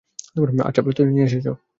আচ্ছা, প্রস্তুতি নিয়ে এসেছ?